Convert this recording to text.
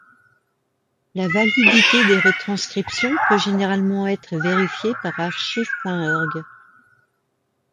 La validité des retranscriptions peut généralement être vérifiée par archive.org.